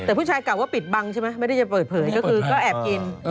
แต่ผู้ชายกลับว่าปิดบังใช่ไหมไม่ได้จะเปิดเผยก็คือก็แอบกิน